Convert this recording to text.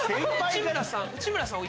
内村さん